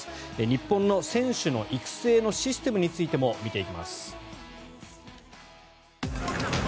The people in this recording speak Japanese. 日本の選手の育成のシステムについても見ていきます。